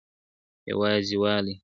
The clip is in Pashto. یوازي والی ,